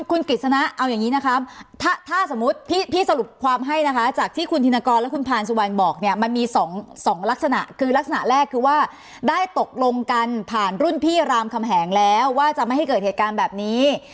คุณกิจสนะเอาอย่างนี้นะคะถ้าสมมุติพี่สรุปความให้นะคะจากที่คุณธินกรและคุณพานสุวรรณบอกเนี่ยมันมี๒ลักษณะคือลักษณะแรกคือว่าได้ตกลงกันผ่านรุ่นพี่รามคำแหงแล้วว่าจะไม่ให้เกิดเหตุการณ์แบบนี้